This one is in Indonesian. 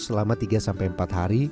selama tiga empat hari